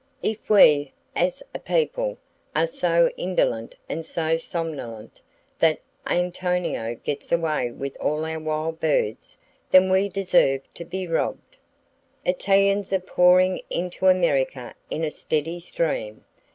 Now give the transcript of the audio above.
If we, as a people, are so indolent and so somnolent that Antonio gets away with all our wild birds, then do we deserve to be robbed. Italians are pouring into America in a steady stream.